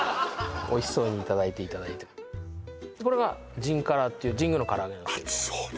おいしそうにいただいていただいてこれがじんカラっていう神宮の唐揚げなんですけど熱そうね